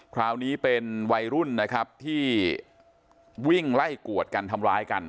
คราวนี้เป็นวัยรุ่นนะครับที่วิ่งไล่กวดกันทำร้ายกัน